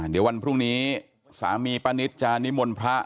เดี๋ยววันพรุ่งนี้สามีป้านิตจะนิมนต์พระ